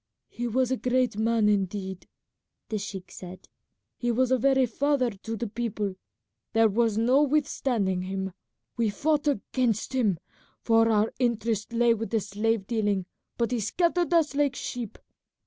"He was a great man indeed," the sheik said; "he was a very father to the people; there was no withstanding him. We fought against him, for our interest lay with the slave dealing, but he scattered us like sheep.